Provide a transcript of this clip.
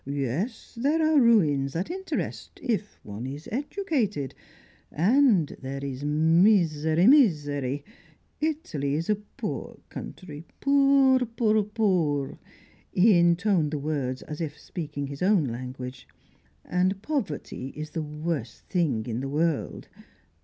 Yes, there are ruins that interest, if one is educated. And, there is misery, misery! Italy is a poor country, poor, poor, poor, poor." He intoned the words as if speaking his own language. "And poverty is the worst thing in the world.